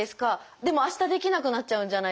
でも明日できなくなっちゃうじゃないですか。